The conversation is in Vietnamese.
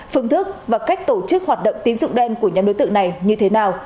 phương thức và cách tổ chức hoạt động tín dụng đen của nhóm đối tượng này như thế nào